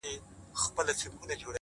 • د کښتۍ آرام سفر سو ناکراره,